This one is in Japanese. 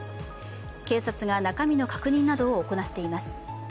警察が中身の確認などを行っています。